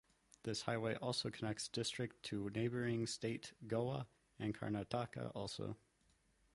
This highway also connects district to neighbouring state Goa and Karnataka also.